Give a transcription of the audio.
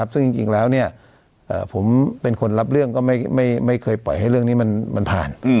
ซึ่งจริงแล้วผมเป็นคนรับเรื่องก็ไม่เคยปล่อยให้เรื่องนี้มันผ่าน